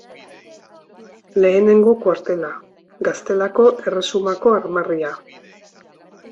Lehenengo kuartela: Gaztelako Erresumako armarria.